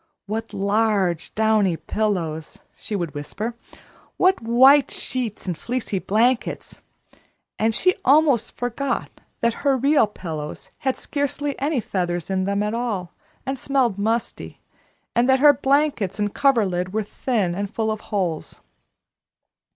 "What large, downy pillows!" she would whisper. "What white sheets and fleecy blankets!" And she almost forgot that her real pillows had scarcely any feathers in them at all, and smelled musty, and that her blankets and coverlid were thin and full of holes.